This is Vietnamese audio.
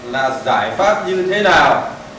là giải pháp như thế nào